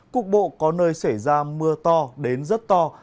cục bộ có nơi xảy ra mưa to đến rất to